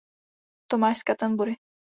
Tomáš z Canterbury.